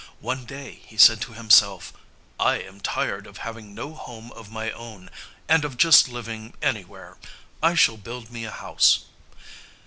One day he said to himself, "I am tired of having no home of my own, and of just living anywhere. I shall build me a house."